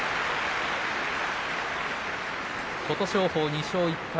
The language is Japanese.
琴勝峰２勝１敗